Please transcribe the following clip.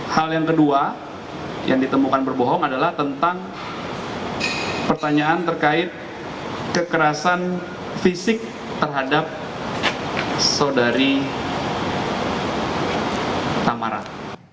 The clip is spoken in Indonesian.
hal yang kedua yang ditemukan berbohong adalah tentang pertanyaan terkait kekerasan fisik terhadap saudari tamarat